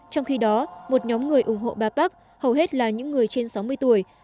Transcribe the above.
trong khi đó một nhóm người ủng hộ bà park hầu hết là những người trên sáu mươi tuổi